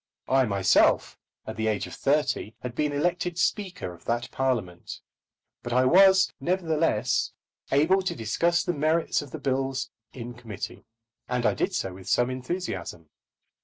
I myself, at the age of thirty, had been elected Speaker of that Parliament. But I was, nevertheless, able to discuss the merits of the bills in committee, and I did so with some enthusiasm.